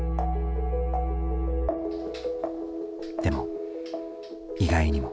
でも意外にも。